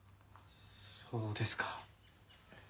そうですか。